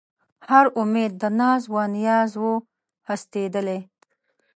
هر اُمید د ناز و نیاز و هستېدلی